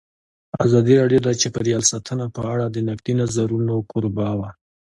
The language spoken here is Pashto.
ازادي راډیو د چاپیریال ساتنه په اړه د نقدي نظرونو کوربه وه.